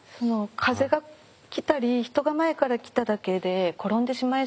風が来たり人が前から来ただけで転んでしまいそうで。